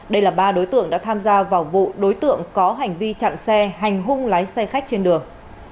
đây là ba đối tượng đã tham gia vào vụ đối tượng có hành vi chặn xe hành hung lái xe khách trên đường